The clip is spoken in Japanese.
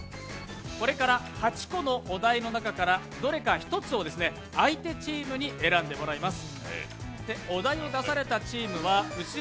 これから８個のお題の中からどれか１つを相手チームに選んでもらいます。